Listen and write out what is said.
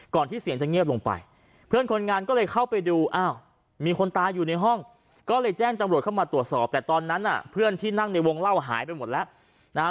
เข้ามาตรวจสอบแต่ตอนนั้นน่ะเพื่อนที่นั่งในวงเล่าหายไปหมดแล้วนะฮะ